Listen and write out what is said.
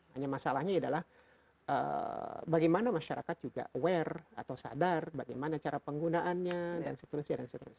hanya masalahnya adalah bagaimana masyarakat juga aware atau sadar bagaimana cara penggunaannya dan seterusnya